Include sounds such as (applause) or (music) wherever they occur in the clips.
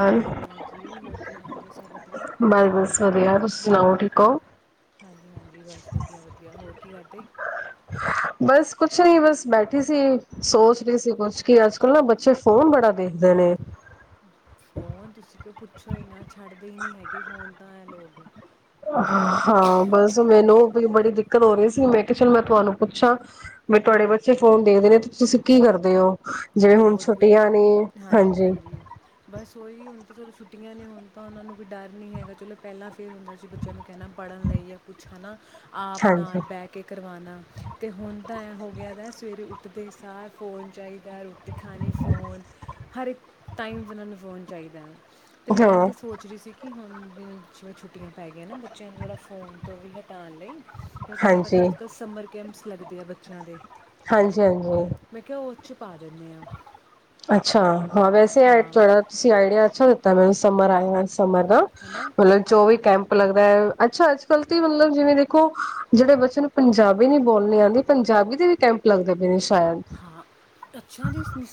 ਬਸ ਹਾਂਜੀ, ਹੋਰ ਕੀ ਹਾਲ ਹੈ, ਸਭ ਵਧੀਆ। (inaudible) ਬਸ ਵਧੀਆ ਤੁਸੀਂ ਸੁਣਾਓ ਠੀਕ ਹੋ। ਹਾਂਜੀ-ਹਾਂਜੀ, ਬਸ ਵਧੀਆ-ਵਧੀਆ, ਹੋਰ। (inaudible) ਕੀ ਕਰਦੇ? ਬਸ ਕੁਛ ਨੀ, ਬਸ ਬੈਠੀ ਸੀ ਸੋਚ ਰਹੀ ਸੀ ਕੁਛ, ਕਿ ਅੱਜ- ਕੱਲ ਨਾ ਬੱਚੇ, ਫੋਨ ਬੜਾ ਦੇਖਦੇ ਨੇ। ਫੋਨ ਤੁਸੀਂ ਕਿਉ ਪੁੱਛ ਪੁੱਛੋ ਇੰਨਾ ਛੱਡਦੇ ਹੀ ਨਹੀਂ ਹੈਗੇ, ਫੋਨ ਤਾਂ ਐਂ ਲੋਕ। ਹਾਂ, ਬਸ ਮੈਨੂੰ ਬੜੀ ਦਿੱਕਤ ਹੋ ਰਹੀ ਸੀ ਮੈਂ ਕਿਹਾ ਚੱਲ ਮੈਂ ਤੁਹਾਨੂੰ ਪੁੱਛਾਂ ਫਿਰ ਤੁਹਾਡੇ ਬੱਚੇ ਫੋਨ ਦੇਖਦੇ ਨੇ। ਤੁਸੀਂ ਕੀ ਕਰਦੇ ਹੋ। ਜਿਵੇਂ ਹੁਣ ਬਹੁਤ ਬੁਰੀ। ਛੁੱਟੀਆਂ ਨੇ ਹਾਂਜੀ- ਹਾਂਜੀ। ਬਸ ਸਹੀ, ਹੁਣ ਤਾਂ ਚਲੋ ਛੁੱਟੀਆਂ ਨੇ ਹੁਣ ਤਾਂ ਉਹਨਾਂ ਨੂੰ ਕੋਈ ਡਰ ਨਹੀਂ ਹੈਗਾ ਚਲੋ ਪਹਿਲਾਂ ਫਿਰ ਹੁੰਦਾ ਸੀ ਬੱਚਿਆਂ ਨੂੰ ਕਹਿਣਾ ਪੜ੍ਹਨ ਲਈ ਜਾਂ ਕੁਛ ਹੈ ਨਾ। ਆਪ ਹਾਂਜੀ ਨਾਲ ਬਹਿ ਕੇ ਕਰਵਾਣਾ ਅਤੇ ਹੁਣ ਤਾਂ ਐ ਹੋ ਗਿਆ ਸਵੇਰੇ ਉੱਠਦੇ ਸਾਰ ਫੋਨ ਚਾਹੀਦਾ। ਦਿਖਾਣੇ ਫੋਨ। ਹਰ ਇੱਕ ਟਾਈਮ ਉਹਨਾਂ ਨੂੰ ਫੋਨ ਚਾਹੀਦਾ। ਤੇ ਮੈਂ ਹਾਂ ਤੇ ਸੋਚ ਰਹੀ ਸੀ ਕਿ ਹੁਣ ਵੀ ਜਿਵੇਂ ਛੁੱਟੀਆਂ ਪੈ ਗਈਆਂ ਨਾ ਬੱਚਿਆਂ ਨੂੰ ਥੋੜ੍ਹਾ ਫੋਨ ਤੋਂ ਵੀ ਹਟਾਉਣ ਲਈ ਫਿਰ ਤੁਹਾਨੂੰ ਪਤਾ ਹਾਂਜੀ ਅੱਜ ਕੱਲ੍ਹ ਸਮਰ ਕੈਂਪਸ ਲੱਗਦੇ ਆ ਬੱਚਿਆਂ ਦੇ ਹਾਂਜੀ-ਹਾਂਜੀ। ਮੈਂ ਕਿਹਾ ਉਹ ਚ ਪਾ ਦਵਾ। ਆ। ਅੱਛਾ, ਹਾਂ ਵੈਸੇ ਤੁਹਾਡਾ ਤੁਸੀਂ ਆਈਡੀਆ ਅੱਛਾ ਦਿੱਤਾ ਮੈਨੂੰ। ਸਮਰ ਆਇਆ। ਸਮਰ ਦਾ ਹਨਾ ਮਤਲਬ ਚੌਵੀ ਕੈਂਪ- ਲੱਗਦਾ ਹੈ, ਅੱਛਾ ਅੱਜ-ਕੱਲ੍ਹ ਤਾਂ ਮਤਲਬ, ਜਿਵੇਂ ਦੇਖੋ, ਜਿਹੜੇ ਬੱਚੇ ਨੂੰ ਪੰਜਾਬੀ ਨਹੀਂ ਬੋਲਣੀ ਆਦੀ, ਪੰਜਾਬੀ ਦੇ ਵੀ ਕੈਂਪ ਲੱਗਦੇ ਪਏ ਨੇ। ਸ਼ਾਇਦ ਹਾਂ ਅੱਛਾ ਜੀ। ਨਹੀਂ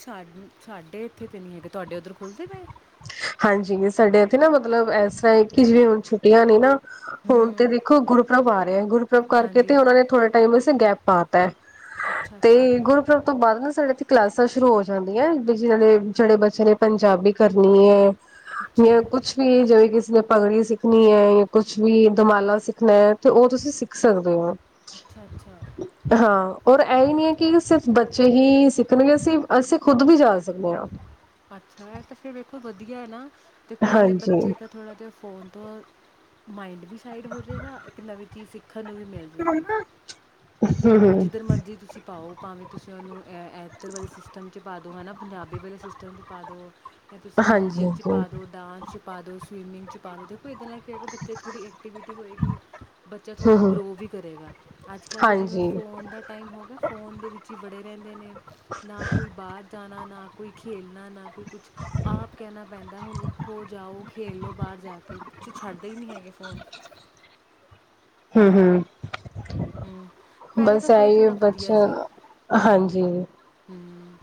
ਸਾਡੀ ਇੱਥੇ ਤਾਂ ਨਹੀਂ ਹੈਗੇ, ਤੁਹਾਡੇ ਉੱਧਰ ਖੁੱਲ੍ਹਦੇ ਪਏ। ਹਾਂਜੀ, ਸਾਡੇ ਇੱਥੇ ਨਾ, ਮਤਲਬ ਐਸਾ ਹੈ ਕਿ ਜਿਵੇਂ ਹੁਣ ਛੁੱਟੀਆਂ ਨੇ ਨਾ ਹੂੰ ਹੁਣ ਤਾਂ ਹੂੰ ਦੇਖੋ, ਗੁਰਪੁਰਬ ਆ ਰਿਹਾ। ਗੁਰਪੁਰਬ ਕਰਕੇ ਹਾਂਜੀ ਤਾਂ ਉਨ੍ਹਾਂ ਨੇ ਥੋੜ੍ਹਾ ਟਾਈਮ ਵਸਤੇ ਗੈਪ ਪਾ ਤਾ ਹੈ। ਅੱਛਾ ਅੱਛਾ ਤੇ ਗੁਰਪੁਰਬ ਤੋਂ ਬਾਅਦ ਨਾ ਸਾਡੇ ਇਥੇ ਕਲਾਸਾਂ ਸ਼ੁਰੂ ਹੋ ਜਾਂਦੀਆਂ ਨੇ, ਜਿਨ੍ਹਾਂ ਬੱਚਿਆਂ ਨੇ ਪੰਜਾਬੀ ਕਰਨੀ ਅੱਛਾ ਏ। ਕੁੱਛ ਵੀ ਜਿਵੇ ਕਿਸ ਪਗੜੀ ਸਿੱਖਣੀ ਹੈ, ਯਾ ਕੁਛ ਵੀ ਦੁਮਾਲਾ ਸਿੱਖਣਾ ਹੈ, ਤੇ ਉਹ ਤੁਸੀਂ ਸਿੱਖ ਸਕਦੇ ਹੋ। ਅੱਛਾ ਹਾਂ ਰ ਇਹੀ ਨਹੀਂ ਹੈ ਕਿ ਕਿ ਸਿਰਫ਼ ਬੱਚੇ ਹੀ ਸਿੱਖਣਗੇ ਅਸੀਂ, ਅਸੀਂ ਖੁਦ ਵੀ ਜਾ ਸਕਦੇ ਹਾਂ। ਅੱਛਾ, ਇਹ ਤਾਂ ਫਿਰ ਐਥੋਂ ਵਧੀਆ ਹੈ, ਨਾ। ਦੇਖੋ, ਨਾਲੇ ਹਾਂਜੀ ਬੱਚੇ ਦਾ ਥੋੜ੍ਹਾ ਤਾਂ ਮਾਇੰਡ ਵੀ ਸਾਈਡ ਹੋਜੇਗਾ, ਇੱਕ ਨਵੀਂ ਚੀਜ਼ ਸਿੱਖ ਖਣ ਨੂੰ ਵੀ ਮਿਲ ਜਏਗੀ, ਹਮ ਹਮ ਜਿੱਧਰ ਮਰਜ਼ੀ ਤੁਸੀਂ ਪਾਓ। ਭਾਵੇਂ ਤੁਸੀਂ ਉਹਨੂੰ ਅ ਅ ਘਰ ਵਾਲੀ ਸਿਸਟਮ ਚ ਪਾ ਹਨ ਨਾ, ਪੰਜਾਬੀ ਬਾਰੇ ਸਿਸਟਮ? ਪਾਦੋ। ਜਾਂ ਤੁਸੀਂ ਹਾਂਜੀ ਮਿਊਜ਼ਿਕ 'ਚ ਹਾਂਜੀ ਪਾ ਦਿਓ, ਡਾਂਸ 'ਚ ਪਾ ਦਿਓ, ਸਵੀਮਿੰਗ ਪਾਲੋ ਦੇ ਇਹਦੇ ਨਾਲ ਕੀ ਹੈਗਾ? ਬੱਚੇ ਥੋੜ੍ਹੀ ਐਕਟੀਵਿਟੀ ਹੋਏਗੀ, ਬੱਚਾ ਹਮ ਥੋੜ੍ਹਾ ਹਮ ਗਰੋ ਵੀ ਕਰੇਗਾ। ਅੱਜ-ਕੱਲ੍ਹ ਦਾ ਜਿਵੇਂ ਹਾਂਜੀ ਫ਼ੋਨ ਦਾ ਟਾਈਮ ਹੋ ਗਿਆ, ਫੋਨ ਦੇ ਵਿੱਚ ਹੀ ਬੜੇ ਰਹਿੰਦੇ ਨੇ ਨਾ ਕੋਈ ਬਾਹਰ ਜਾਣਾ ਨਾ ਕੋਈ ਖੇਲਣਾ ਨਾ, ਕੋਈ ਕੁਛ ਆਪ ਕਹਿਣਾ ਪੈਂਦਾ, ਹੁਣ ਉਠੋ, ਜਾਓ, ਖੇਲ ਲਓ ਬਾਹਰ ਜਾ ਕੇ ਛੱਡ। ਹੀ ਨਹੀ ਹੈਗੇ ਫੋਨ। ਹਮ ਹਮ। ਹਮ, ਪਹਿਲੇ ਬਸ ਤਾਂ ਫੇਰ ਇਹੀ ਥੋੜਾ ਵਧੀਆ ਬੱਚਾ ਸੀ, ਹਾਂਜੀ ਹਮ।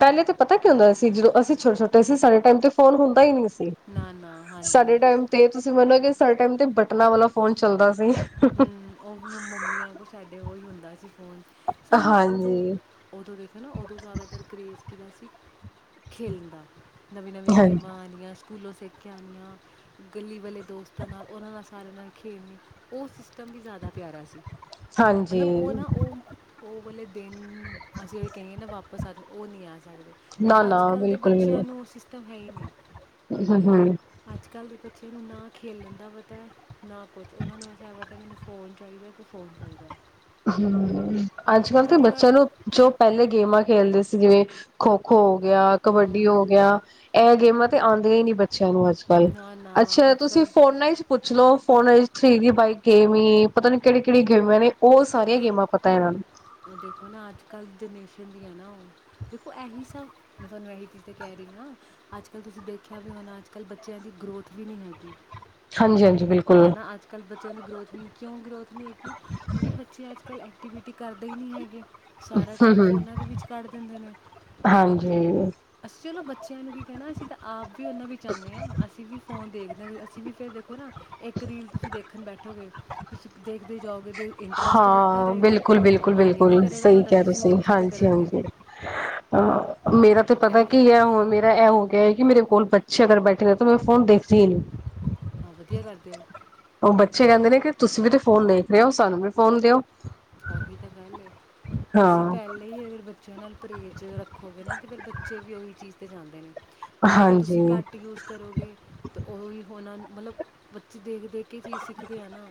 ਪਹਿਲੇ ਤੇ ਪਤਾ ਕੀਉ ਹੁੰਦਾ ਸੀ ਜਦੋਂ ਅਸੀਂ ਛੋਟੇ-ਛੋਟੇ ਸੀ, ਸਾਡੇ ਟਾਈਮ ਤੇ ਫੋਨ ਹੁੰਦਾ ਹੀ ਨਹੀਂ ਸੀ। ਨਾ-ਨਾ, ਹਾਂਜੀ। ਸਾਡੇ ਟਾਈਮ ਤੇ, ਇਹ ਤੁਸੀਂ ਮੰਨੋਗੇ ਸਾਡੇ ਟਾਈਮਤੇ ਬਟਨਾਂ ਵਾਲਾ ਫੋਨ ਚੱਲਦਾ ਸੀ। ਹਮ, ਉਹ ਮੰਮੀਆਂ ਕੋ ਸਾਡੇ ਓਹੀ ਹੁੰਦੇ ਹੁੰਦਾ ਸੀ। ਫੋਨ ਸਾਨੂੰ ਹਾਂਜੀ ਉਦੋਂ-ਉਦੋਂ ਦੇਖੋ ਨਾ, ਉਦੋਂ ਜ਼ਿਆਦਾਤਰ ਕਰੇਜ਼ ਸ਼ੌਂਕ ਸੀ ਖੇਲਣ ਦਾ ਨਵੀਂ ਨਵੀਂ ਹਾਂਜੀ ਗੇਮਾਂ ਆਨੀਆ (unintelligible) ਸੇਕੇ ਆਣੀਆ ਗਲੀ ਵਾਲੇ ਦੋਸਤਾਂ ਨਾਲ ਉਹਨਾਂ ਦਾ ਸਾਰਿਆਂ ਨਾਲ ਖੇਲ ਨੀ। (inaudible) ਜਿਆਦਾ ਪਿਆਰਾ ਹਾਂਜੀ ਸੀ--ਮਤਲਬ ਉਹ ਨਾ ਉਹ ਉਹ ਵਾਲੇ ਦਿਨ ਅਸੀਂ ਜਿੇ ਕਹੀਏ ਨਾ ਵਾਪਸ ਆ ਉਹ ਨਹੀਂ ਆ ਸਕਦੇ ਬਟ ਨਾ ਅੱਜ ਨਾ ਕੱਲ੍ਹ ਦੇ ਬਿਲਕੁਲ ਵੀ ਬੱਚਿਆਂ ਨਹੀਂ ਨੂੰ ਸਿਸਟਮ ਹੈ ਹੀ ਨਹੀਂ ਹੂੰ ਹੂੰ ਅੱਜ ਕੱਲ੍ਹ ਦੇ। ਨਾ ਖੇਲਣ ਦਾ ਪਤਾ ਨਾ ਕੁਝ ਉਹਨਾਂ ਨੂੰ ਮੈਨੂੰ ਫੋਨ ਚਾਹੀਦਾ ਕਿ ਫੋਨ ਚਾਹੀਦਾ (inaudible) ਹਮ ਅੱਜ ਕੱਲ ਦੇ ਸਾਡੇ ਘਰ ਬੱਚਿਆਂ ਨੂੰ ਜੋ ਪਹਿਲੇ ਗੇਮਾਂ ਖੇਲਦੇ ਸੀ ਜਿਵੇਂ ਖੋਖੋ (unintelligible) ਕਬੱਡੀ ਹੋ ਹਮ, ਗਿਆ ਇਹ ਗੇਮਾਂ ਤੇ ਆਉਂਦੇ ਹੀ ਨਹੀਂ ਬ ਨੂੰ ਅੱਜ ਕੱਲ ਨਾ ਨਾ ਅਛਾ ਅੱਜ ਤੁਸੀਂ ਕੱਲ੍ਹ ਫੋਨ ਨਾ ਹੀ ਪੁੱਛ ਲਓ ਹੁਣ ਥਰੀ ਜੀ ਬਾਈਕ ਗੇਮ ਐ ਪਤਾ ਨਹੀਂ ਕਿਹੜੀਆਂ ਕਿਹੜੀਆਂ ਗੇਮਾਂ ਨੇ। ਉਹ ਸਾਰੀਆਂ ਗੇਮਾਂ ਪਤਾ ਇਹਨਾਂ ਨੂੰ ਦੇਖੋ ਨਾ ਅੱਜ ਕੱਲ ਦੇ ਵੀ ਹੈ ਨਾ ਦੇਖੋ ਐਹੀ ਸਭ ਮੈਂ ਤੁਹਾਨੂੰ ਇਹੀ ਚੀਜ਼ ਤੇ ਕਹਿ ਰਹੀ ਹਾਂ ਅੱਜਕੱਲ ਤੁਸੀਂ ਦੇਖਿਆ ਵੀ ਹੋਣਾ ਅੱਜਕੱਲ ਬੱਚਿਆਂ ਦੀ ਗ੍ਰੋਥ ਵੀ ਨਹੀਂ ਹੈਗੀ ਹਾਂਜੀ ਹਾਂ ਜੀ ਹਨਾ ਅੱਜ ਕੱਲ੍ਹ ਬੱਚਿਆਂ ਦੀ ਗਰੋਥ ਨਹੀਂ ਕਿਉਂ ਗਰੋਥ (unintelligible) ਕਿਉਂਕਿ ਬੱਚੇ ਅੱਜ ਕੱਲ ਅ ਐਕਟੀਵਿਟੀ ਕਰਦੇ ਹੀ ਨਹੀ ਹੈਗੇ ਸਾਰਾ ਹੂੰ ਟਾਈਮ ਹੂੰ ਫੋਨਾਂ ਦੇ ਵਿੱਚ ਕੱਢ ਦਿੰਦੇ ਨੇ ਹਾਂਜੀ ਅਸੀਂ ਉਹਨਾਂ ਬੱ ਬੱਚਿਆਂ ਨੂੰ ਵੀ ਕਹਿਣਾ ਅਸੀਂ ਤਾਂ ਆਪ ਵੀ ਉਹਨਾਂ ਵਿੱਚ ਆਨੇ ਹਾਂ ਅਸੀਂ ਵੀ ਫੋਨ ਦੇਖਦਾ ਅਸੀਂ ਵੀ ਫੇਰ ਦੇਖੋ ਨਾ ਇੱਕ ਰੀਲ ਤੁਸੀਂ ਦੇਖਣ ਬੈਠੋਗੇ ਤੁਸੀਂ ਦੇਖਦੇ ਹੀ ਜਾਓਗੇ ਦੇਖਦੇ ਹਾਂ ਬਿਲਕੁਲ ਬਿਲਕੁਲ ਹੀ ਨਹੀਂ ਬਿਲਕੁਲ ਕਰੇਗਾ ਸਹੀ ਤੁਹਾਡਾ ਕਿਹਾ ਕਿਸੇ ਤੁਸੀਂ ਹੋਰ ਚੀਜ਼ ਤੇ ਹਾਂਜੀ ਕਰਨ ਤੇ ਹਾਂਜੀ ਆ ਮੇਰਾ ਤੇ ਐ ਪਤਾ ਕੀ ਹੈ ਹੁਣ ਮੇ ਇਹ ਹੋ ਗਿਆ ਹੈ ਕਿ ਮੇਰੇ ਕੋਲ ਬੱਚੇ ਅਗਰ ਬੈਠੇ ਨੇ ਤਾਂ ਮੈਂ ਫੋਨ ਦੇਖਦੀ ਹੀ ਨਹੀਂ ਹਾਂ ਵਧੀਆ ਕਰਦੇ ਹੋ ਉਹ ਬੱਚੇ ਕਹਿੰਦੇ ਨੇ ਕਿ ਤੁਸੀਂ ਵੀ ਤੇ ਫੋਨ ਦੇਖ ਰਹੇ ਹੋ ਸਾਨੂੰ ਵੀ ਫੋਨ ਦਿਓ। ਉਹੀ ਤਾਂ ਗੱਲ ਐ ਤੁਸੀਂ ਹਾਂ ਪਹਿਲੇ ਹੀ ਅਗਰ ਬੱਚਿਆਂ ਨਾਲ। ਪਰਹੇਜ ਰੱਖ ਹੋਵੇ ਨਾ ਤੇ ਫੇਰ ਬੱਚੇ ਵੀ ਉਹੀ ਚੀਜ਼। ਉੱਥੇ ਜਾਂਦੇ ਨੇ ਦੇਖੋ ਹਾਂਜੀ ਤੁਸੀਂ ਘੱਟ ਯੂਜ ਕਰੋਗੇ ਤਾਂ ਉਹ ਹੀ ਹੋਣਾ ਮਤਲਬ ਬੱਚੇ ਦੇਖਦੇ ਦੇ ਇੱਕ ਚੀਜ਼ ਸਿੱਖਦੇ ਆ ਨਾ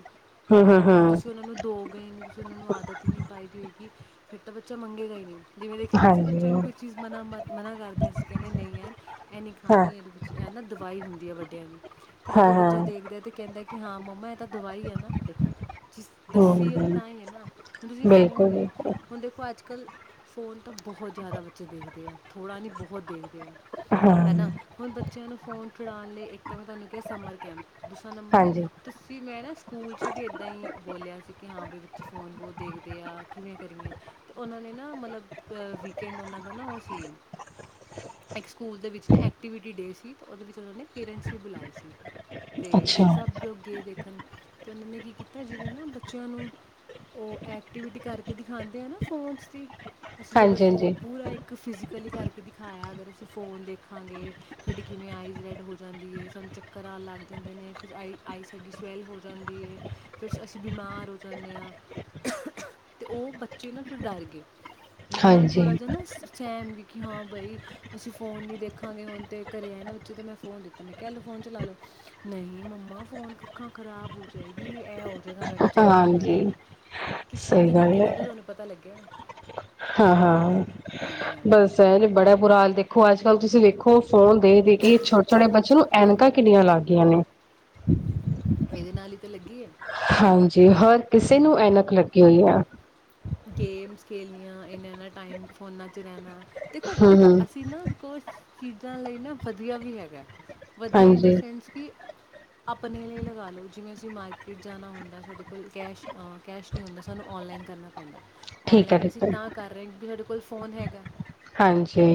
ਹੂੰ ਹੂੰ ਹੁਣ ਹੂੰ ਤੁਸੀਂ ਉਹਨਾਂ ਨੂੰ ਦੋ ਗਏ ਸੁਣਨਾਂ ਨੂੰ ਆਦਤ ਹੀ ਨਹੀਂ ਪਾਈ ਦੀ ਹੋਏਗੀ ਫਿਰ ਤਾਂ ਬੱਚਾ ਮੰਗੇਗਾ ਹੀ ਨਹੀਂ ਜਿਵੇਂ ਦੇਖਿਆ ਨਾ ਅਸੀਂ ਬੱਚਿਆਂ ਹਾਂਜੀ ਨੂੰ ਕੋਈ ਚੀਜ਼ ਮਨਾ ਮ ਮਨਾ ਕਰਦੇ ਅਸੀਂ ਕਹਿੰਦੇ ਨਹੀਂ ਐਂ ਇਹ ਨਹੀਂ ਹਾਂ ਖਾਣੀ ਇਹਦੇ ਵਿੱਚ ਐਂ ਨਾ ਦਵਾਈ ਹੁੰਦੀ ਹੈ ਵੱਡਿਆਂ ਦੀ ਅਤੇ ਹਾਂ ਜਦੋਂ ਹਾਂ ਬੱਚਾ ਦੇਖਦਾ ਤਾਂ ਕਹਿੰਦਾ ਕਿ ਹਾਂ ਮੰਮਾ ਤਾਂ ਦਵਾਈ ਹੈ ਨਾ ਦੇਖੋ ਹੂੰ ਦੱਸੀਏ ਤਾਂਹੀ ਹੈ ਨਾ ਹੁਣ ਤੁਸੀਂ ਬਿਲਕੁਲ ਫੋਨ ਹੈ ਬਿਲਕੁਲ ਹੁਣ ਦੇਖੋ ਅੱਜ ਕੱਲ੍ਹ ਫ਼ੋਨ ਤਾਂ ਬਹੁਤ ਜ਼ਿਆਦਾ ਬੱਚੇ ਦੇਖਦੇ ਆ ਥੋੜ੍ਹਾ ਨਹੀਂ ਬਹੁਤ ਦੇਖਦੇ ਹਾਂ ਹਨਾ ਹੁਣ ਬੱਚਿਆਂ ਨੂੰ ਫੋਨ ਫੜਾਣ ਲਈ ਇੱਕ ਤਾਂ ਮੈਂ ਤੁਹਾਨੂੰ ਕਿਹਾ ਸਮਰ ਕੈਂਪ ਦੂਸਰਾ ਨੰਬਰ ਹਾਂਜੀ ਤੁਸੀਂ ਮੈਂ ਨਾ ਸਕੂਲ 'ਚ ਵੀ ਇੱਦਾਂ ਹੀ ਬੋਲਿਆ ਸੀ ਕਿ ਹਾਂ ਬਾਈ ਫੋਨ ਵੋ ਦੇਖਦੇ ਆ ਕਿਵੇਂ ਕਰੀਏ ਅਤੇ ਉਹਨਾਂ ਨੇ ਨਾ ਮਤਲਬ ਵੀਕਐਂਡ ਉਹਨਾਂ ਨਾ ਉਹ ਸੀ ਇੱਕ ਸਕੂਲ ਦੇ ਵਿੱਚ ਐਕਟੀਵਿਟੀ ਡੇ ਸੀ ਤੇ ਉਹਦੇ ਵਿੱਚ ਉਹਨਾਂ ਨੇ ਪੇਰੈਂਟਸ ਵੀ ਬੁਲਾਏ ਸੀ ਤੇ ਅੱਛਾ ਅਸੀਂ ਸਭ ਲੋਕ ਗਏ ਦੇਖਣ। ਫਿਰ ਉਹਨਾਂ ਨੇ ਕੀ ਕੀਤਾ ਜਿਵੇਂ ਨਾ ਬੱਚਿਆਂ ਨੂੰ ਉਹ ਐਕਟੀਵਿਟੀ ਕਰਕੇ ਦਿਖਾਉਂਦੇ ਆ ਨਾ ਫੋਨ ਦੀ। ਅਸੀਂ ਜੇਕਰ ਹਾਂਜੀ ਫੋ ਹਾਂਜੀ ਪੂਰਾ ਇੱਕ ਫਿਜ ਇਕੱਲੀ ਕਰਕੇ ਦਿਖਾਇਆ ਅਗਰ ਅਸੀਂ ਫੋਨ ਦੇਖਾਂਗੇ। ਸਾਡੀ ਕਿਵੇਂ ਆਈਜ਼ ਰੈਡ ਹੋ ਜਾਂਦੀ ਏ। ਸਾਨੂੰ ਚੱਕਰ ਆਣ ਲੱਗ ਜਾਂਦੇ ਨੇ। ਫਿਰ ਆਈ ਆਈ ਸਾਡੀ ਸਵੈੱਲ ਹੋ ਜਾਂਦੀ ਏ। ਫਿਰ ਅਸੀਂ ਬਿਮਾਰ ਹੋ ਜਾਂਨੇ ਆ। ਤੇ ਉਹ ਬੱਚੇ ਨਾ ਡਰ ਗਏ। ਉਹਨਾਂ ਨੂੰ ਥੋੜਾ ਹਾਂਜੀ ਜਿਹਾ ਨਾ ਸਹਿਮ ਵੀ ਕਿ ਹਾਂ ਬਈ ਅਸੀਂ ਫੋਨ ਨਹੀਂ ਦੇਖਾਂਗੇ। ਹੁਣ ਤਾਂ ਘਰ ਆਏ ਨਾ ਉੱਚੇ ਤਾਂ ਮੈਂ ਫੋਨ ਦਿੱਤਾ। ਮੈਂ ਕਹਿ ਲਓ ਫੋਨ ਚਲਾ ਲਓ। ਨਹੀਂ ਮੰਮਾ ਫੋਨ ਅੱਖਾਂ ਖਰਾਬ ਹੋ ਜਾਏਗੀ ਇਹ ਔ (unintelligible) ਮੈਂ ਕਿਹਾ ਚਲੋ ਸ਼ੁਕਰ ਆ। ਹਾਂਜੀ ਕਿਸੇ ਸਹੀ ਤਰੀਕੇ ਗੱਲ ਨਾਲ ਤੇ ਹੈ ਉਹਨਾਂ ਨੂੰ ਪਤਾ ਲੱਗਿਆ। ਹਾਂ ਹਾਂ, ਹਾਂਜੀ ਹਾਂਜੀ ਬਸ ਇਹ ਬੜਾ ਬੁਰਾ ਹਾਲ ਦੇਖੋ ਅੱਜ ਅੱਜ ਕੱਲ ਤੁਸੀਂ ਵੇਖੋ ਫੋਨ ਦੇਖ ਦੇ ਕੇ ਛੋਟੇ ਛੋਟੇ ਬੱਚੇ ਨੂੰ ਐਨਕਾਂ ਕਿੱਨੀਆਂ ਲੱਗ ਗਈਆਂ ਨੇ। ਇਹਦੇ ਨਾਲ ਹੀ ਤਾਂ ਲੱਗੀ ਆ। ਹਾਂਜੀ ਹਰ ਕਿਸੇ ਨੂੰ ਐਨਕ ਲੱਗੀ ਹੋਈ ਆ। ਗੇਮਸ ਖੇਲਣੀਆਂ ਇਨਾ ਇਨਾ ਟਾਈਮ ਫੋਨਾਂ 'ਚ ਰਹਿਣਾ। ਦੇਖੋ ਹੂੰ ਹੂੰ ਅਸੀਂ ਨਾ ਕੁਛ ਚੀਜ਼ਾਂ ਲਈ ਨਾ ਵਧੀਆ ਵੀ ਹੈਗਾ ਐ। ਵਧੀਆ ਇਨ ਦਾ ਹਾਂਜੀ ਸੈਂਸ ਕਿ ਆਪਣੇ ਲਈ ਲਗਾ ਲਓ ਜਿਵੇਂ ਅਸੀਂ ਮਾਰਕੀਟ ਜਾਣਾ ਹੁੰਦਾ ਐ। ਸਾਡੇ ਕੋਲ ਕੈਸ਼ ਕੈਸ਼ ਨਹੀਂ ਹੁੰਦਾ ਸਾਨੂੰ ਔਨਲਾਈਨ ਕਰਨਾ ਪੈਂਦਾ ਐ। ਠੀਕ ਹੈ ਆਨਲਾਈਨ ਅਸੀਂ ਠੀਕ ਹੈ ਤਾਂ ਕਰ ਰਹੇ ਕਿਉਂਕਿ ਸਾਡੇ ਕੋਲ ਫ਼ੋਨ ਹੈਗਾ। ਹਾਂਜੀ।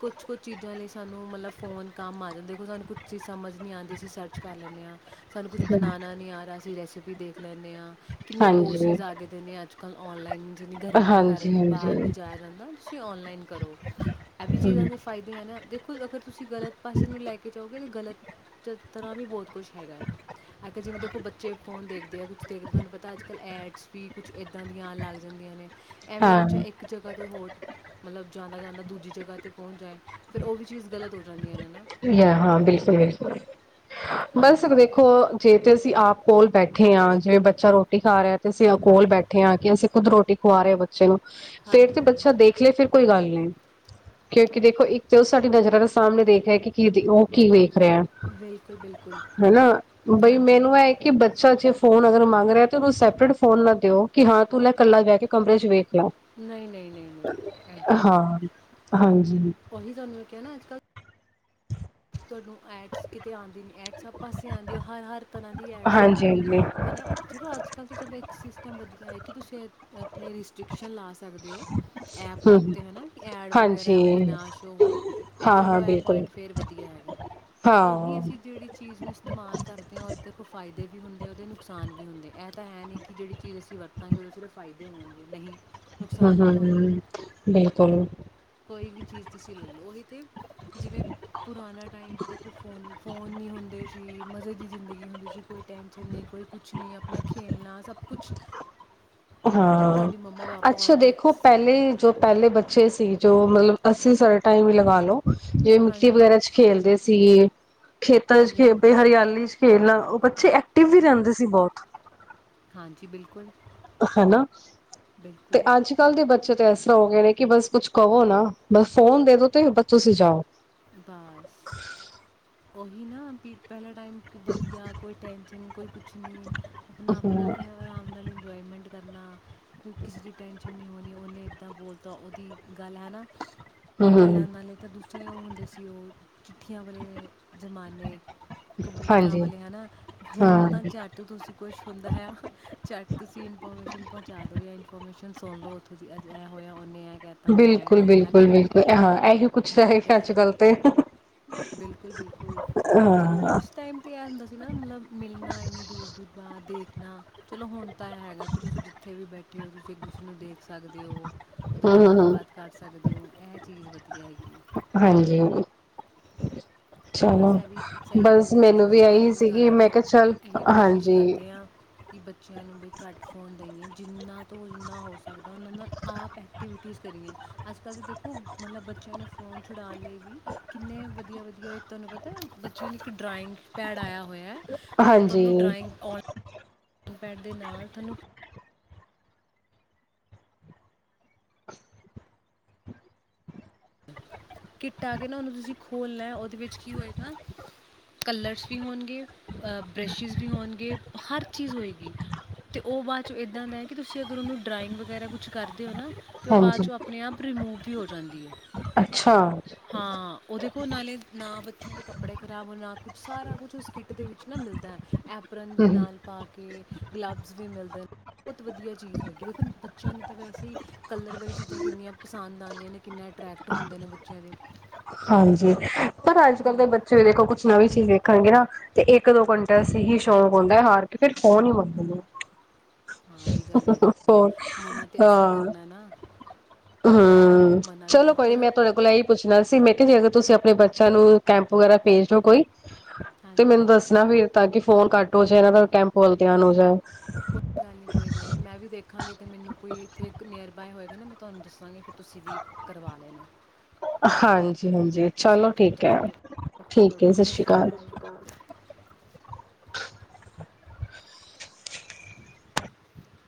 ਕੁਛ-ਕੁਛ ਚੀਜ਼ਾਂ ਲਈ ਸਾਨੂੰ ਮਤਲਬ ਫ਼ੋਨ ਕੰਮ ਆ ਜਾਂਦਾ। ਦੇਖੋ ਸਾਨੂੰ ਕੁਛ ਚੀਜ਼ ਸਮਝ ਨਹੀਂ ਆਉਂਦੀ ਅਸੀਂ ਸਰਚ ਕਰ ਲੈਂਦੇ ਹਾਂ। ਸਾਨੂੰ ਕੁਝ ਬਣਾਉਣਾ ਨਹੀਂ ਆ ਰਿਹਾ। ਅਸੀਂ ਰੈਸਪੀ ਦੇਖ ਲੈਂਦੇ ਹਾਂ। ਕਿੰਨੇ ਹਾਂਜੀ ਕੋਰਸਿਸ ਆ ਗਏ। ਨੇ ਅੱਜ ਕੱਲ੍ਹ ਔਨਲਾਈਨ ਜਿੰਨੀ ਗਰਮੀ ਦੇ ਕਾਰਨ ਹਾਂਜੀ ਵੀ ਬਾਹਰ ਹਾਂਜੀ ਨਹੀਂ ਜਾਇਆ ਜਾਂਦਾ। ਔਨਲਾਈਨ ਕਰੋ। ਇਹ ਵੀ ਚੀਜ਼ਾਂ ਹੂੰ ਦੇ ਫਾਇਦੇ ਐ ਨਾ। ਦੇਖੋ ਅਗਰ ਤੁਸੀਂ ਗਲਤ ਪਾਸੇ ਨੂੰ ਲੈ ਕੇ ਜਾਓਗੇ ਤਾਂ ਗਲਤ ਤਰ੍ਹਾਂ ਵੀ ਬਹੁਤ ਕੁਛ ਹੈਗਾ ਆ। ਅਗਰ ਜਿਵੇਂ ਦੇਖੋ ਬੱਚੇ ਫੋਨ ਦੇਖਦੇ ਆ ਕੁਛ ਦੇਖਦੇ ਤੁਹਾਨੂੰ ਪਤਾ ਅੱਜ ਕੱਲ੍ਹ ਐਡਸ ਵੀ ਕੁਛ ਇੱਦਾਂ ਦੀਆਂ ਆ ਲੱਗ ਜਾਂਦੀਆਂ ਨੇ ਐਵੇਂ ਹਾਂ ਬੱਚੋਂ ਇੱਕ ਜਗ੍ਹਾ ਤੋਂ ਹੋਰ ਮਤਲਬ ਜਾਂਦਾ- ਜਾਂਦਾ ਦੂਜੀ ਜਗ੍ਹਾ 'ਤੇ ਪਹੁੰਚ ਜਾਏ ਫਿਰ ਉਹ ਵੀ ਚੀਜ਼ ਗ਼ਲਤ ਹੋ ਜਾਂਦੀਆਂ ਇਹਨਾਂ ਨੂੰ ਹ -ਹਾਂ, ਬਿਲਕੁਲ -ਬਿਲਕੁਲ। ਬਸ ਹਾਂਜੀ ਦੇਖੋ ਜੇ ਤੇ ਅਸੀਂ ਆਪ ਕੋਲ ਬੈਠੇ ਆ ਜਿਵੇਂ ਬੱਚਾ ਰੋਟੀ ਖਾ ਰਿਹਾ ਤੇ ਅਸੀਂ ਕੋਲ ਹਾਂਜੀ ਹਾਂਜੀ ਬੈਠੇ ਹਾਂ ਕਿ ਅਸੀਂ ਖੁਦ ਰੋਟੀ ਖਵਾ ਰਹੇ ਬੱਚੇ ਨੂੰ ਫੇਰ ਤੇ ਬੱਚਾ ਦੇਖ ਲਏ ਫਿਰ ਕੋਈ ਗੱਲ ਨਹੀਂ, ਕਿਉਂਕਿ ਦੇਖੋ ਇੱਕ ਤੇ ਉਹ ਸਾਡੀ ਨਜ਼ਰਾਂ ਦੇ ਸਾਹਮਣੇ ਦੇਖ ਰਿਹਾ ਕਿ ਕਿਤੀ ਉਹ ਕੀਵੇ ਰਿਹਾ ਹਾਂਜੀ ਬਿਲਕੁਲ ਬਿਲਕੁਲ ਹੈਨਾ ਬਈ ਹਾਂਜੀ ਮੈਨੂੰ ਇਹ ਕਿ ਬੱਚਾ ਜੇ ਫੋਨ ਅਗਰ ਮੰਗ ਰਿਹਾ ਤੈਨੂੰ ਸੈਪਰੇਟ ਫੋਨ ਨਾ ਦਿਓ ਕਿ ਹਾਂ ਤੂੰ ਲੈ ਕੱਲਾ ਜਾ ਕੇ ਕਮਰੇ ਚ ਵੇਖ ਲਾ ਨਹੀਂ -ਨਹੀਂ -ਨਹੀਂ- ਨਹੀਂ ਏਦਾਂ ਨਹੀਂ ਹਾਂ ਹਾਂਜੀ ਉਹੀ ਤੁਹਾਨੂੰ ਮੈ ਕਿਹਾ ਨਾ ਅੱਜ ਕੱਲ ਤੁਹਾਨੂੰ ਐਡਸ ਕਿਤੇ ਆਉਂਦੇ ਨੇ ਐਡਸ ਹਰ ਪਾਸੇ ਆਦੀ ਹੋ ਹਰ-ਹਰ ਤਰ੍ਹਾਂ ਦੀ ਐਡਸ ਆਦੀਆਂ ਹਾਂਜੀ ਹਾਂਜੀ ਹੈ ਨਾ ਚਲੋ ਅੱਜ ਕੱਲ੍ਹ ਤਾਂ ਚਦੋਂ ਇੱਕ ਸਿਸਟਮ ਵਧੀਆ ਹੈ ਕਿ ਤੁਸੀਂ ਇੱਥੇ ਰਿਸਟ੍ਰਿਕਸ਼ਨ ਲਾ ਸਕਦੇ ਹੋ ਐਪ ਦੇ ਹਮ ਉੱਤੇ ਹੈ ਨਾ ਕਿ ਐਡ ਵਗੈਰਾ ਵਾਲੀ ਹਾਂਜੀ ਨਾ ਸ਼ੋਅ ਹੋਵੇ ਇਹ ਹਾਂ ਹਾਂ ਚਲੋ ਇਹ ਬਿਲਕੁਲ ਪੁਆਇੰਟ ਫਿਰ ਵਧੀਆ। ਵਆ ਹੈਗਾ ਹਾਂ ਉਹੀ ਅਸੀਂ ਜੇਹ ਜਿਹੜੀ ਚੀਜ਼ ਨੂੰ ਇਸਤੇਮਾਲ ਕਰਦੇ ਹ ਉਹਦੇ ਕੋਈ ਫਾਇਦੇ ਵੀ ਵੀ ਹੁੰਦੇ ਆ ਉਹਦੇ ਨੁਕਸਾਨ ਵੀ ਹੁੰਦੇ ਇਹ ਤਾਂ ਹੈ ਨਹੀਂ ਕਿ ਜਿਹੜੀ ਚੀਜ਼ ਅਸੀਂ ਵਰਤਾਂਗੇ ਉਹਦੇ ਸਿਰਫ ਫਾਇਦੇ ਹੋਣਗੇ ਨਹੀਂ, ਨੁਕਸਾਨ ਵੀ ਹੋਣਗੇ ਹਮ-ਹਮ-ਹਮ ਬਿਲਕੁਲ। ਕੋਈ ਵੀ ਚੀਜ਼ ਤੁਸੀਂ ਲੈ ਲਓ ਇਹ ਤਾਂ ਜਿਵੇਂ ਪੁਰਾਣਾ ਟਾਈਮ 'ਚ ਦੇਖੋ ਫੋਨ, ਫੋਨ ਫੋਨ ਨਹੀਂ ਹੁੰਦੇ ਸੀ ਮਜ਼ੇ ਦੀ ਜ਼ਿੰਦਗੀ ਹੁੰਦੀ ਸੀ ਕੋਈ ਟੈਂਨਸ਼ਨ ਨਹੀਂ ਕੋਈ ਕੁਛ ਨਹੀਂ ਆਪਣਾ ਖੇਲਣਾ ਸਭ ਕੁਛ ਜਿਵੇਂ ਹਾਂ ਸਾਡੀ ਮੰਮਾ ਪਾਪਾ ਔਰ ਅੱਛਾ ਕਰ ਦੇਖੋ ਪਹਿਲੇ ਜੋ ਪਹਿਲੇ ਬੱਚੇ ਸੀ। ਜੋ ਮਤਲਬ ਅੱਸੀ ਸਾਡਾ ਟਾਈਮ ਹੀ ਲਗਾ ਲੋ ਜਿਵੇਂ ਮਿੱਟੀ ਹਾਂਜੀ ਵਗੈਰਾ ਚ ਖੇਲਦੇ ਸੀ। ਸੀਗੇ ਖੇਤਾਂ ਚ ਹਾਂਜੀ ਹਾਂਜੀ ਖੇਡਦੇ, ਹਰਿਆਲੀ ਚ ਖੇਲਣਾ ਉਹ ਬੱਚੇ ਐਕਟਿਵ ਵੀ ਰਹਿੰਦੇ ਸੀ ਬਹੁਤ ਹਾਂਜੀ ਬਿਲਕੁਲ। ਹਨਾ ਤੇ ਬਿਲਕੁਲ ਅੱਜ ਕੱਲ ਦੇ ਬੱਚੇ ਬੱਚੇ ਤੇ ਐਸ ਤਰ੍ਹਾਂ ਦੇ ਹੋ ਗਏ ਨੇ ਕਿ ਬਸ ਕੁੱਛ ਕਹੋ ਨਾ ਬਸ ਫੋਨ ਦੇ ਦੋ ਤੇ ਬਸ ਤੁਸੀਂ ਜਾਓ। ਬਸ ਉਹੀ ਨਾ ਵੀ ਪਹਿਲਾਂ ਟਾਈਮ ਵਧੀਆ ਕੋਈ ਟੈਂਨਸ਼ਨ ਨੀ ਕੋਈ ਕੁਛ ਨੀ ਆਪਣਾ ਆਪਣਾ ਹਮ ਆਰਾਮ ਨਾਲ ਇੰਜੋਏਮੈਂਟ ਕਰਨਾ ਕੋਈ ਕਿਸੇ ਦੀ ਟੈੈਂਸ਼ਨ ਨੀਂ ਹੋਣੀ। ਉਹਨੇ ਏਦਾ ਬੋਲਦਾ ਉਹਦੀ (inaudible) ਗੱਲ ਹੈ ਨਾ, ਹਮ ਪਹਿਲਾਂ ਨਾਲੇ ਤਾਂ ਦੂਸੀੇ ਹ ਚਿੱਠੀਆਂ ਵਾਲੇ ਜ਼ਮਾਨੇ ਕਬੂਤਰਾਂ ਹਾਂਜੀ ਵਾਲੇ ਹਨਾ, ਹੁਣ ਹਾਂ ਤਾਂ ਝੱਟ ਤੁਸੀਂ ਕੁਛ ਹੁੰਦਾ ਹੈ, ਝੱਟ ਤੁਸੀਂ ਇਨਫੋਰਮੇਸ਼ਨ ਪਹੁੰਚਾ ਦੋ। ਜਾਂ ਇਨਫੋਰਮੇਸ਼ਨ ਸੁਣ ਲਓ, ਉਥੋਂ ਅਜਂ ਏ ਹੋਇਆ ਉਹਨੇ ਕਹਿਤਾ ਉਹਨੇ ਇਹ ਬਿਲਕੁਲ ਕਹਿਤਾ ਹੈ ਨਾ -ਬਿਲਕੁਲ, ਭਈ ਬਿਲਕੁਲਾਂ ਇਹੀ ਕੁੱਛ ਤਾਂ ਫਿਰ ਇਹਦੇ ਅੱਜ- ਨ- ਕੱਲ। ਤੇ ਬਿਲਕੁਲ- ਬਿਲਕੁਲ ਚਲੋ ਹਾਂ ਉਸ ਟਾਈਮ ਤੇ, ਇਹ ਹੁੰਦਾ ਸੀ ਨਾ, ਮਤਲਬ ਮਿਲਣਾ ਇੰਨੀ ਦੂਰ -ਦੂਰ। ਬਾ ਦੇਖ ਨਾ ਚਲੋ ਹੁਣ (inaudible) ਤਾਂ ਹੈਗਾ ਕਿ, ਤੁਸੀਂ ਜਿੱਥੇ ਵੀ ਬੈਠੇ ਇਕੱਠੇ ਹੋ ਤੁਸੀਂ, ਇੱਕ ਦੂਸਰੇ ਨੂੰ ਦੇਖ ਸਕਦੇ ਹੋ। ਉਹਦੇ ਨਾਲ ਹਮ ਹਮ ਗੱਲਬਾਤ ਕਰ ਸਕਦੇ ਓ, ਇਹ ਚੀਜ਼ ਵਧੀਆ ਹੈਗੀ। ਹਾਂਜੀ ਚਲੋ ਬਸ ਇਹ ਵੀ ਸਹੀ ਰਹਿੰਦਾ, ਬਸ ਮੈਨੂੰ ਵੀ ਅਸੀਂ ਤਾਂ ਇਹੀ ਹੁਣ ਸੀਗੀ ਮੈਂ ਜ਼ਿਆਦਾਤਰ ਕਿਹਾ ਚੱਲ ਇਹੀ ਕੋਸ਼ਿਸ਼ ਹਾਂਜੀ ਕਰਦੇ ਹਾਂ। ਕਿ ਬੱਚ ਬੱਚਿਆਂ ਨੂੰ ਬ ਘੱਟ ਫੋਨ ਦੇਈਏ, ਜਿੰਨਾਂ ਤੋਂ ਜਿੰਨਾ ਹੋ ਸਕਦਾ ਉਹਨਾਂ ਨਾਲ ਆਪ ਐਕਟੀਵਿਟੀਜ਼ ਕਰੀਏ, ਅੱਜ -ਕੱਲ੍ਹ ਤਾਂ ਦੇਖੋ ਮਤਲਬ ਬੱਚਿਆਂ ਨੂੰ ਫ਼ੋਨ ਛੁਡਾਉਣ ਲਈ ਵੀ, ਕਿੰਨੇ ਵਧੀਆ ਵਧੀਆ ਤੁਹਾਨੂੰ ਪਤਾ, ਬੱਚੇ ਵ ਲਈ ਇੱਕ ਡਰਾਇੰਗ ਪੈਡ ਆਇਆ ਹੋਇਆ ਐ। ਤੁਹਾਨੂੰ ਹਾਂਜੀ ਡਰਾਇੰਗ ਪੈਡ ਦੇ ਨਾਲ ਤੁਹਾਨੂੰ (inaudible) ਕਿੱਟ ਆ ਕੇ ਨਾ ਉਹਨੂੰ, ਤੁਸੀਂ ਖੋਲਨੈ ਉਹਦੇ ਵਿੱਚ ਕੀ ਹੋਏਗਾ? ਕਲਰਸ ਵੀ ਹੋਣਗੇ, ਬਰਸ਼ਿਸ ਵੀ ਹੋਣਗੇ, ਹਰ ਚੀਜ਼ ਹੋਏਗੀ ਅਤੇ, ਉਹ ਬਾਅਦ 'ਚੋਂ ਇੱਦਾਂ ਦਾ ਹੈ ਕਿ, ਤੁਸੀਂ ਅਗਰ ਉਹਨੂੰ ਡਰਾਇੰਗ ਵਗੈਰਾ ਕੁਛ ਕਰਦੇ ਹੋ। ਨਾ ਤੇ ਉਹ ਬਾਅਦ ਹਾਂਜੀ ਚੋਂ ਆਪਣੇ ਆਪ ਰਿਮੂਵ ਵੀ ਹੋ ਜਾਂਦੀ ਹੈ। ਅੱਛਾ ਹਾਂ ਉਹਦੇ। ਦੇ ਨਾਲੇ, ਨਾ ਬੱਚਿਆਂ ਦੇ ਕੱਪੜੇ ਖ਼ਰਾਬ ਹੋਣ, ਨਾ ਕੁਛ ਸਾਰਾ ਕੁਛ ਉਸ ਕਿੱਟ ਦੇ ਵਿੱਚ ਨਾ ਮਿਲਦਾ ਹੈ। ਐਪਰਨ ਦੇ ਹਮ ਨਾਲ, ਪਾ ਕੇ। ਗਲੱਬਸ ਵੀ ਮਿਲਦੇ ਨ, ਬਹੁਤ ਵਧੀਆ ਚੀਜ਼ ਹੈਗੀ ਦੇਖੋ ਬੱਚਿਆਂ ਨੂੰ ਤਾਂ ਵੈਸੇ ਹੀ ਕਲਰ ਵਾਲੀ ਚੀਜ਼ਾਂ ਕਿੰਨੀਆਂ ਪਸੰਦ ਆਉਂਦੀਆਂ ਨੇ, ਕਿੰਨੇ ਅਟਰੈਕਟ ਹੁੰਦੇ ਨੇ। ਬ ਚਾਰੇ ਹਾਂਜੀ। ਪਰ ਅੱਜ -ਕੱਲ੍ਹ ਦੇ ਬੱਚੇ ਵੀ ਦੇਖੋ, ਕੁਛ ਨਵੀਂ ਚੀਜ਼ ਰਖਣਗੇ ਨਾ, ਤੇ ਇੱਕ ਦੋ ਘੰਟੇ ਸਹੀ ਸ਼ੌਂਕ ਹੁੰਦਾ ਹਾਰ ਕੇ, ਫਿਰ ਫੋਨ ਹੀ ਮੰਗਣਗੇ। ਹਾਂ ਇਹ ਵੀ ਹੰ ਗੱਲ ਹੰ ਹੈਗੀ ਹੰ ਦੇਖੋ ਮਨਾ ਤੇ ਹਾਂ ਅਸੀਂ ਕਰਨਾ ਨਾ ਹਾਂ ਮਨਾ ਵੀ ਚਲੋ ਤੇ ਕੋਈ ਨੀ, ਮੈਂ ਤੁਹਾਡੇ ਕੋਲ ਇਹ ਪੁੱਛਣਾ ਸੀ ਮੈਂ ਕਿਹਾ ਜੇ ਅਗਰ ਤੁਸੀਂ ਆਪਣੇ ਬੱਚਿਆਂ ਨੂੰ, ਕੈਂਪ ਵਗੈਰਾ ਭੇਜ ਦਿਓ ਕੋਈ। ਤੇ ਹਾਂਜੀ ਮੈਨੂੰ ਦੱਸਨਾ ਫਿਰ ਤਾਂ ਕਿ ਫੋਨ ਘੱਟ ਹੋ ਜਾਏ ਇਹਨਾਂ ਦਾ, ਕੈਂਪ ਵੱਲ ਧਿਆਨ ਹੋ ਜਾਏ। ਕੋਈ ਗੱਲ ਨੀ ਕੋਈ ਗੱਲ ਨੀ ਮੈਂ ਵੀ ਦੇਖਾਂਗੇ ਕਿ ਮੈਨੂੰ ਕੋਈ ਇੱਥੇ ਨੀਅਰ ਬਾਏ ਹੋਏ। ਫੇਰ ਮੈਂ ਤੁਹਾਨੂੰ ਦੱਸਾਂਗੀ। ਤੁਸੀਂ ਵੀ ਕਰਵਾ ਲੈਣਾ, ਹਾਂਜੀ ਹਾਂਜੀ ਚਲੋ ਠੀਕ ਹੈ ਜੀ ਠੀਕ ਹੈ ਓਕੇ ਓਕੇ ਸਤਿ ਸ਼੍ਰੀ ਅਕਾਲ ਸਤਿ ਸ਼੍ਰੀ ਅਕਾਲ।